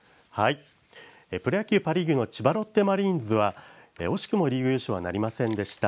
プロ野球パ・リーグの千葉ロッテマリーンズは惜しくもリーグ優勝はなりませんでした。